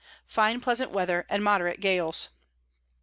Fine pleasant Weather, and moderate Gales.